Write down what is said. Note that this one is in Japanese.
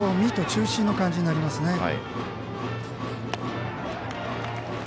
少しミート中心の感じになりますね。